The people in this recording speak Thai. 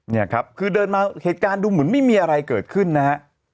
เนี่ยครับคือเดินมาเหตุการณ์ดูเหมือนไม่มีอะไรเกิดขึ้นนะฮะ